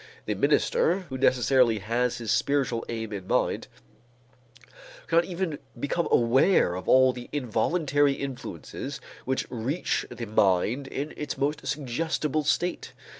The minister, who necessarily has his spiritual aim in mind, cannot even become aware of all the involuntary influences which reach the mind in its most suggestible state.